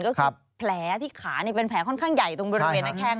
ก็คือแผลที่ขาเป็นแผลค่อนข้างใหญ่ตรงบริเวณหน้าแข้ง